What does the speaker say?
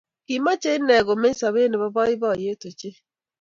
Kimache inne komeny sobet nebo boiboiyo ochei